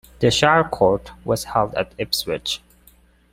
The shire-court was held at Ipswich.